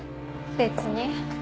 別に。